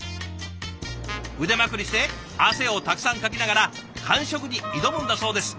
腕まくりして汗をたくさんかきながら完食に挑むんだそうです。